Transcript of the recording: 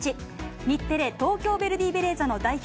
日テレ・東京ヴェルディベレーザの代表